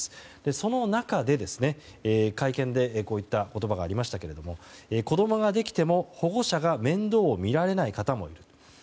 その中で、会見でこういった言葉がありましたが子供ができても、保護者が面倒を見られない方もいる。